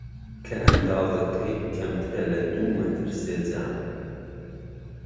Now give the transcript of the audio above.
کە ئەندازەکەی کەمترە لە دوو مەتر سێجا